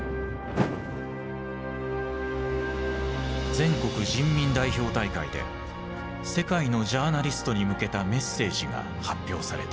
全国人民代表大会で世界のジャーナリストに向けたメッセージが発表された。